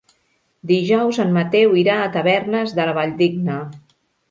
Dijous en Mateu irà a Tavernes de la Valldigna.